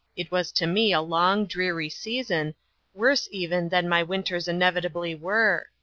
It was to me a long, dreary season, worse even than my winters inevitably were.